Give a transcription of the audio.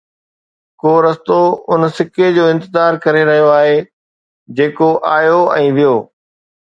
ڪو رستو ان سڪي جو انتظار ڪري رهيو آهي جيڪو آيو ۽ ويو